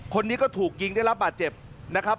คนนี้ก็ถูกยิงได้รับบาดเจ็บนะครับ